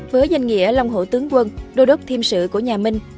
với danh nghĩa long hổ tướng quân đô đốc thiêm sự của nhà minh